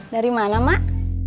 dari mana mak